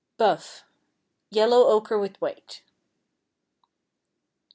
Buff, yellow ochre with white.